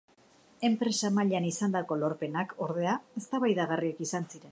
Enpresa mailan izandako lorpenak, ordea, eztabaidagarriak izan ziren.